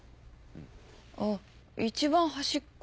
あっ一番端っこ？